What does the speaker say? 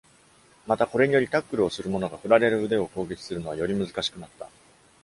また、これにより、タックルをする者が、振られる腕を攻撃するのはより難しくなった。